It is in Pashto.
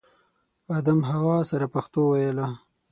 ادم حوا سره پښتو ویله